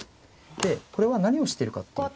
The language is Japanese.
でこれは何をしているかっていうと。